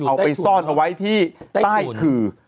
เอาไปซ่อนเอาไว้ที่ใต้ขื่อ